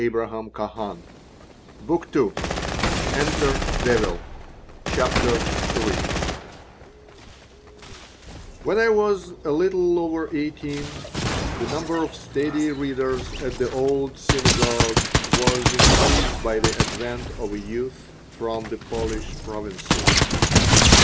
But there were some who were not CHAPTER III WHEN I was a little over eighteen the number of steady readers at the Old Synagogue was increased by the advent of a youth from the Polish provinces.